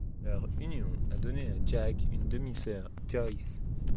Leur union a donné à Jack une demi-sœur, Joyce.